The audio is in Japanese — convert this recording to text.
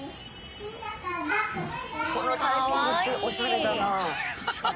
このタイミングってオシャレだな。